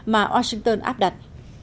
mà washington áp đặt